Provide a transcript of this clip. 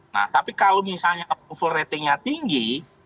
nah tapi kalau misalnya approval ratingnya tinggi